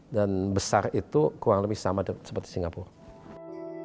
dan besar itu kurang lebih sama seperti singapura